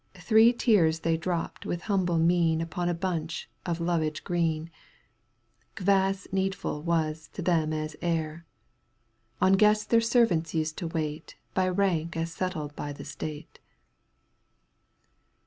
Three tears they dropt with humble mien Upon a bunch of lovage green ; Kvass needful was to them as air ; On guests their servants used to wait By rank as settled by the State.